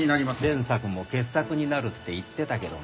前作も傑作になるって言ってたけどね。